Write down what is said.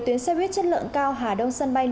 tuyến xe buýt chất lượng cao hà đông sân bay